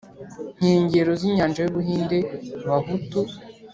nkengero z inyanja y u Buhinde Bahutu